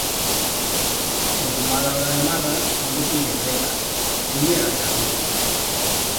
Tornó a la hora de marras fendo cullebretas, en yera de capín!